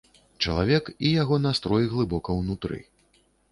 Чалавек і яго настрой глыбока ўнутры.